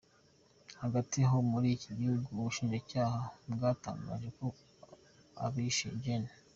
Hagati aho muri iki gihugu ubushinjacyaha bwatangaje ko abishe Gen.